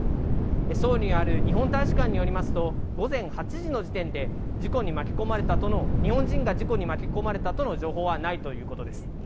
ソウルにある日本大使館によりますと、午前８時の時点で、事故に巻き込まれたとの、日本人が事故に巻き込まれたとの情報はないということです。